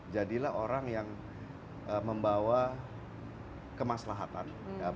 jadilah orang yang membawa kemaslahatan